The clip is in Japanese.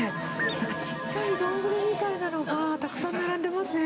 なんかちっちゃい丼みたいなのがたくさん並んでますね。